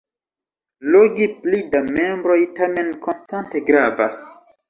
Logi pli da membroj tamen konstante gravas.